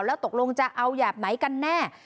แล้วตกลงจะเอาแบบไหนกันแน่